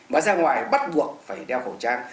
và ra ngoài bắt buộc phải đeo khẩu trang